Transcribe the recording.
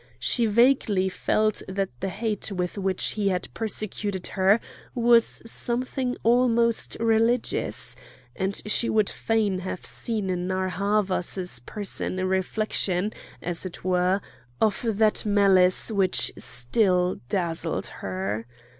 She vaguely felt that the hate with which he had persecuted her was something almost religious,—and she would fain have seen in Narr' Havas's person a reflection, as it were, of that malice which still dazzled her.